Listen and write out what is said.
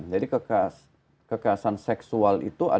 jadi kekerasan seksual itu ada yang berlaku